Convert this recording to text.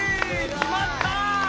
決まった！